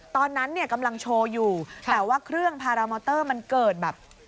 ตอนนั้นเนี่ยกำลังโชว์อยู่แต่ว่าเครื่องพารามอเตอร์มันเกิดแบบ